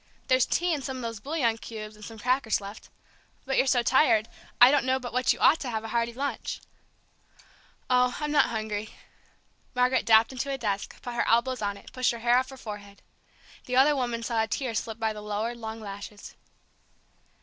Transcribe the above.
"There's tea and some of those bouillon cubes and some crackers left. But you're so tired, I don't know but what you ought to have a hearty lunch." "Oh, I'm not hungry." Margaret dropped into a desk, put her elbows on it, pushed her hair off her forehead. The other woman saw a tear slip by the lowered, long lashes.